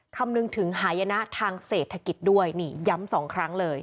คำนึงถึงหายนะทางเศรษฐกิจด้วยนี่ย้ำสองครั้งเลย